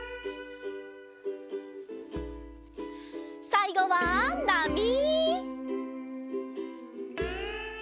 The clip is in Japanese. さいごはなみ！